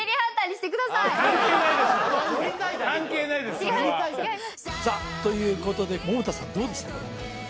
さあということで百田さんどうですか？